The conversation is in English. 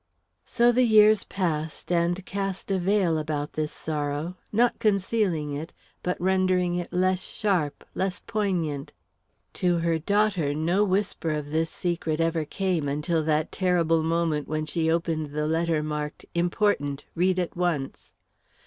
So the years passed, and cast a veil about this sorrow; not concealing it, but rendering it less sharp, less poignant. To her daughter no whisper of this secret ever came until that terrible moment when she opened the letter marked "Important read at once."